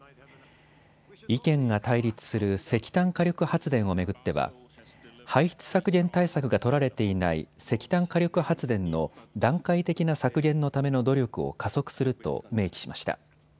意見が対立する石炭火力発電を巡っては排出削減対策が取られていない石炭火力発電の段階的な削減のための努力を加速すると明記しました。